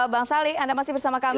bang salih anda masih bersama kami